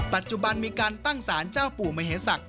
ปัจจุบันมีการตั้งสารเจ้าปู่มเหศักดิ